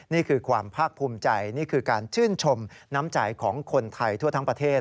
นี่คือความภาคภูมิใจนี่คือการชื่นชมน้ำใจของคนไทยทั่วทั้งประเทศ